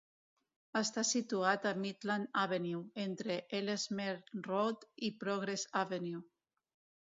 Està situat en Midland Avenue, entre Ellesmere Road i Progress Avenue.